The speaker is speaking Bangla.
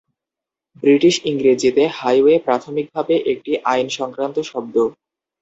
ব্রিটিশ ইংরেজিতে, "হাইওয়ে" প্রাথমিকভাবে একটি আইন সংক্রান্ত শব্দ।